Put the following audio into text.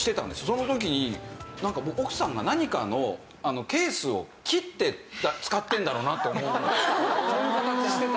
その時に奥さんが何かのケースを切って使ってるんだろうなって思うそういう形してたから。